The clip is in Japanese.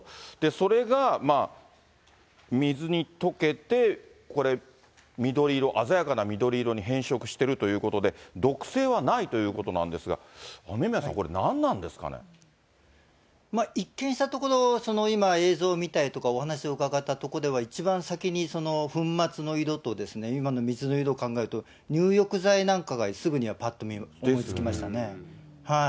それが水に溶けて、これ、緑色、鮮やかな緑色に変色しているということで、毒性はないということなんですが、雨宮さん、一見したところ、今、映像を見たりとか、お話を伺ったところでは、一番先に粉末の色と今の水の色考えると、入浴剤なんかが、すぐにぱっと思いつきましたね。